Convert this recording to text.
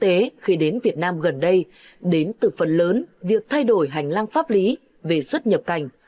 điều này giúp cho quốc tế khi đến việt nam gần đây đến từ phần lớn việc thay đổi hành lang pháp lý về xuất nhập cảnh